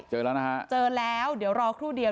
เจอแล้วนะฮะเจอแล้วเดี๋ยวรอครู่เดียว